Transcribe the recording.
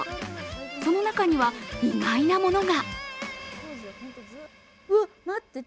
その中には意外なものが。